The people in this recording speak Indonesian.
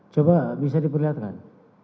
coba bisa diperlihatkan